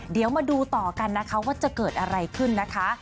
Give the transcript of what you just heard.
เดี๋ยวมาดูต่อกันนะคะว่าจะเกิดอะไรขึ้นนะคะ